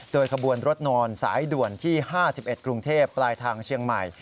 โดยขบวนรถนอนสายด่วนที่๕๑กรุงเทพปลายทางเชียงใหม่